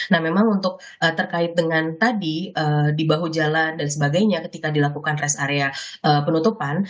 nah memang untuk terkait dengan tadi di bahu jalan dan sebagainya ketika dilakukan rest area penutupan